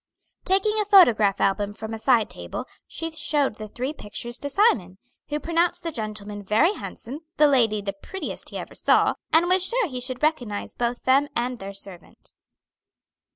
Taking a photograph album from a side table, she showed the three pictures to Simon, who pronounced the gentleman very handsome, the lady the prettiest he ever saw, and was sure he should recognise both them and their servant.